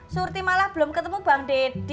surti malah belum ketemu bang deddy